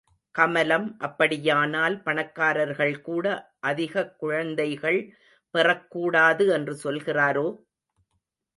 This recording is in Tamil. கமலம் அப்படியானால் பணக்காரர்கள் கூட அதிகக் குழந்தைகள் பெறக்கூடாது என்று சொல்லுகிறாரோ?